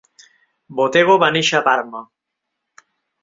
Bottego va néixer a Parma.